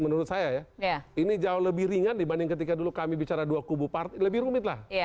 menurut saya ya ini jauh lebih ringan dibanding ketika dulu kami bicara dua kubu partai lebih rumit lah